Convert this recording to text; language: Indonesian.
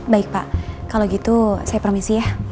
baik pak kalau gitu saya permisi ya